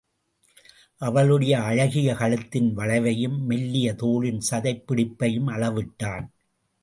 அவளுடைய அழகிய கழுத்தின் வளைவையும், மெல்லிய தோளின் சதைப் பிடிப்பையும் அளவிட்டான்.